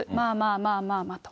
まあまあまあと。